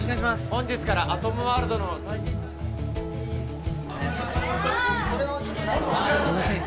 本日からアトムワールドのすいません